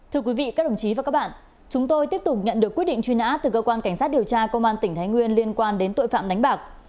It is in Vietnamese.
thưa quý vị các đồng chí và các bạn chúng tôi tiếp tục nhận được quyết định truy nã từ cơ quan cảnh sát điều tra công an tỉnh thái nguyên liên quan đến tội phạm đánh bạc